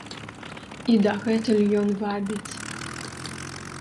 І дагэтуль ён вабіць.